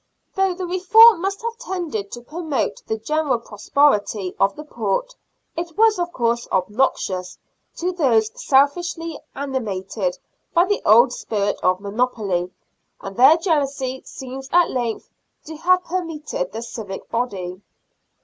Though the reform must have tended to promote the general prosperity of the port, it was, of course, obnoxious to those selfishly animated by the old spirit of monopoly, and their jealousy seems at length to have permeated the civic body.